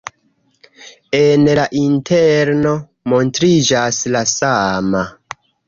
En la interno montriĝas la sama.